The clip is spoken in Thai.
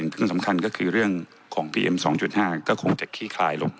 ซึ่งสำคัญของพี่๒๒๐๒๕ก็คงขี้คลายลง